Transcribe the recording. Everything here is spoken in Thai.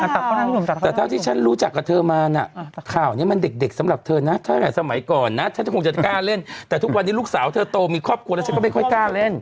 แต่เท่าที่ฉันรู้จักกับเธอมานะข่าวนี้มันเด็กสำหรับเธอนะตั้งแต่สมัยก่อนนะฉันคงจะกล้าเล่นแต่ทุกวันนี้ลูกสาวเธอโตมีครอบครัวแล้วฉันก็ไม่ค่อยกล้าเล่น